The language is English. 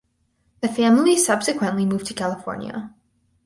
The family subsequently moved to California.